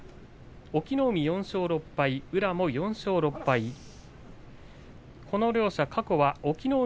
隠岐の海４勝６敗宇良も４勝６敗です。